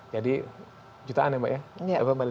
jadi jutaan ya mbak ya